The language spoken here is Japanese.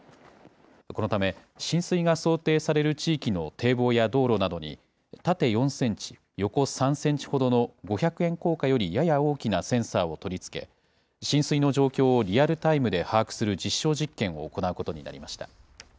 このため、浸水が想定される地域の堤防や道路などに、縦４センチ、横３センチほどの５００円硬貨よりやや大きなセンサーを取り付け、浸水の状況をリアルタイムで把握する実証実験を行うことになりました。